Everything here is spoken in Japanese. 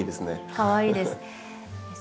かわいいです。